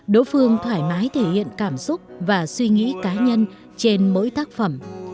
đỗ phương thoải mái thể hiện cảm xúc và suy nghĩ cá nhân trên mỗi tác phẩm